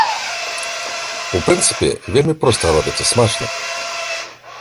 У прынцыпе, вельмі проста робіцца, смачна.